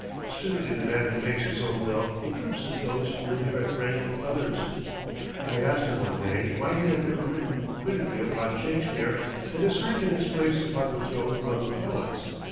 "Certainly the man who makes his own wealth eclipses those who inherit rank from others." I asked him one day why he had never written critically upon Shakespeare and assigned him his place upon the throne among the poets.